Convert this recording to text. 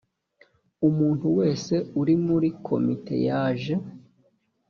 umuntu wese uri muri komite yaje